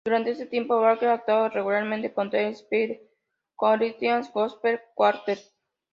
Durante este tiempo, Walker actuaba regularmente con The Spiritual Corinthians Gospel Quartet.